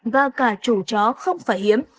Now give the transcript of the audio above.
và cả chủ chó không phải hiếm